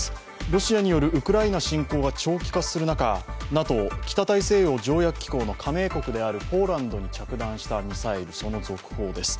ロシアによるウクライナ侵攻が長期化する中、ＮＡＴＯ＝北大西洋条約機構の加盟国であるポーランドに着弾したミサイル、その続報です。